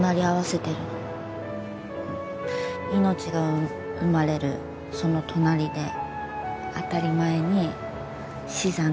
命が生まれるその隣で当たり前に死産がある。